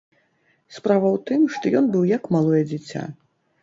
Справа ў тым, што ён быў як малое дзіця.